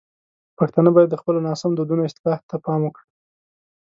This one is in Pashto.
پښتانه باید د خپلو ناسم دودونو اصلاح ته پام وکړي.